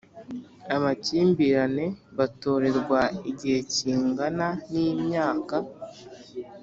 amakimbirane batorerwa igihe kingana n imyaka